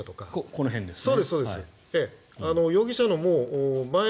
この辺ですよね。